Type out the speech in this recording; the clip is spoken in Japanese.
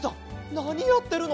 なにやってるの？